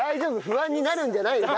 不安になるんじゃないよ。